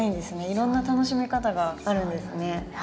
いろんな楽しみ方があるんですね。